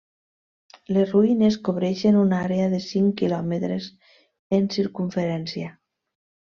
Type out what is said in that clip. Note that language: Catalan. Les ruïnes cobreixen una àrea de cinc quilòmetres en circumferència.